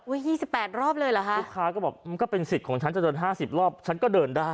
๒๘รอบเลยเหรอฮะลูกค้าก็บอกมันก็เป็นสิทธิ์ของฉันจะเดินห้าสิบรอบฉันก็เดินได้